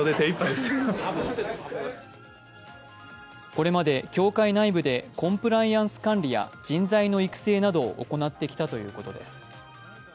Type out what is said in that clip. これまで教会内部でコンプライアンス管理や人材の育成などを行ってきたということです。